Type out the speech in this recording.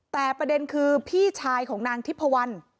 แต่ประเด็นคือพี่ชายของนางทิพพวัน